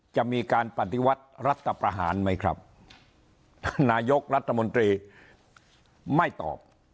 จะมีการปฏิวัติรัฐประหารไหมครับท่านนายกรัฐมนตรีไม่ตอบ